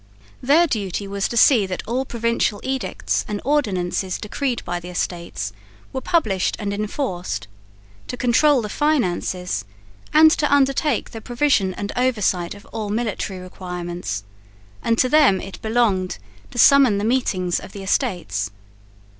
Their duty was to see that all provincial edicts and ordinances decreed by the Estates were published and enforced, to control the finances and to undertake the provision and oversight of all military requirements; and to them it belonged to summon the meetings of the Estates.